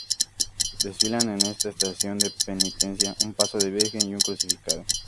Desfilan en esta estación de penitencia un paso de virgen y un crucificado.